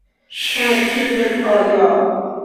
ترکیب پایا